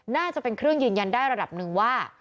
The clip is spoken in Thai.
น่าจะเป็นเครื่องยืนยันได้ระดับหนึ่งว่า